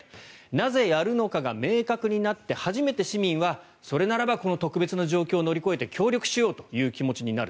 なぜやるのかが明確になって初めて市民はそれならばこの特別な状況を乗り越えて協力しようという気持ちになる。